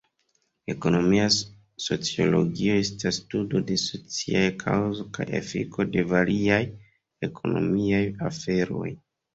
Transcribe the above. Ekonomia sociologio estas studo de sociaj kaŭzo kaj efiko de variaj ekonomiaj aferoj.